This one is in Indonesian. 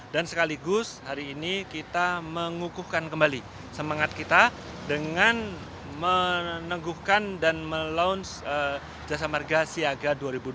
sekaligus hari ini kita mengukuhkan kembali semangat kita dengan meneguhkan dan meluunce jasa marga siaga dua ribu dua puluh